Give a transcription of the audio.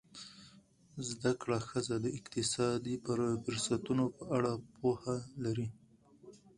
زده کړه ښځه د اقتصادي فرصتونو په اړه پوهه لري.